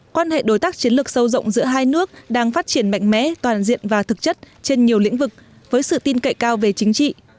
quan hệ đối tác chiến lược sâu rộng giữa hai nước đang phát triển mạnh mẽ toàn diện và thực chất trên nhiều lĩnh vực với sự tin cậy cao về chính trị